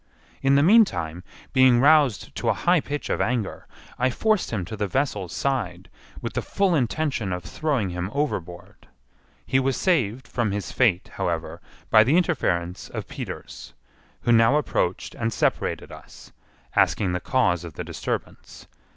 In the meantime, being roused to a high pitch of anger, I forced him to the vessel's side, with the full intention of throwing him overboard. He was saved from his fate, however, by the interference of Peters, who now approached and separated us, asking the cause of the disturbance.